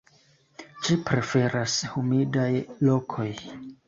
Ĝi preferas humidaj lokoj.